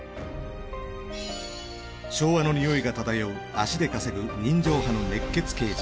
昭和のにおいが漂う足で稼ぐ人情派の熱血刑事。